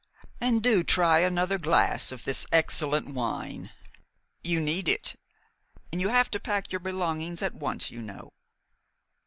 And do try another glass of this excellent wine. You need it, and you have to pack your belongings at once, you know."